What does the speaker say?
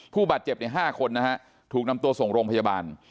ผู้บาดเจ็บใน๕คนนะฮะถูกนำตัวส่งโรงพยาบาล